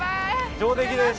上出来です。